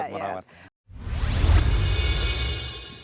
nanti tidak kuat kuat merawat